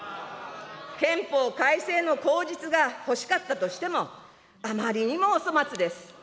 憲法改正の口実が欲しかったとしても、あまりにもお粗末です。